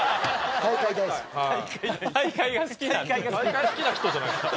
大会好きな人じゃないっすか。